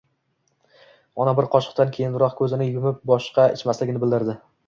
Ona bir qoshiqdan keyinoq ko‘zini yumib boshqa ichmasligini bildirdi